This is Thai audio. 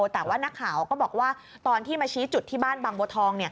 แต่ว่านักข่าวก็บอกว่าตอนที่มาชี้จุดที่บ้านบางบัวทอง